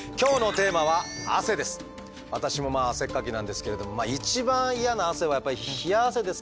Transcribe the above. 私もまあ汗っかきなんですけれども一番嫌な汗はやっぱり冷や汗ですかね。